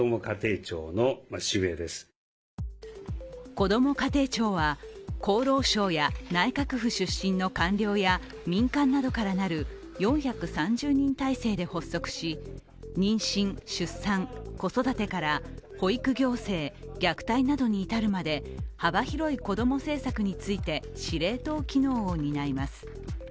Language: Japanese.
こども家庭庁は厚労省や内閣府出身の官僚や民間などからなる４３０人体制で発足し、妊娠・出産、子育てから保育行政、虐待などに至るまで幅広い子ども政策について司令塔機能を担います。